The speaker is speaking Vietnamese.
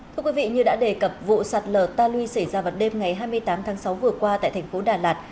thưa quý vị như đã đề cập vụ sạt lở ta luy xảy ra vào đêm ngày hai mươi tám tháng sáu vừa qua tại thành phố đà lạt